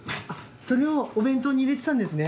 それをお弁当に入れてたんですね。